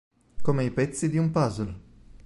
Come i pezzi di un puzzle.